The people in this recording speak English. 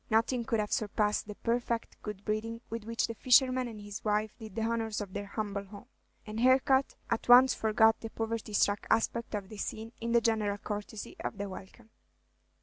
Nothing could have surpassed the perfect good breeding with which the fisherman and his wife did the honors of their humble home; and Harcourt at once forgot the poverty struck aspect of the scene in the general courtesy of the welcome.